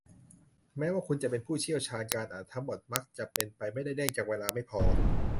แม้ว่าคุณจะเป็นผู้เชี่ยวชาญ การอ่านทั้งหมดมักจะเป็นไปไม่ได้เนื่องจากเวลาไม่พอ